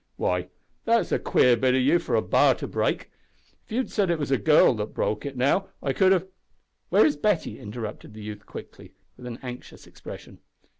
"Why, that's a queer bit o' you for a b'ar to break. If you had said it was a girl that broke it, now, I could have " "Where is Betty?" interrupted the youth, quickly, with an anxious expression.